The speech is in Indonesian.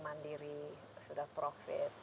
mandiri sudah profit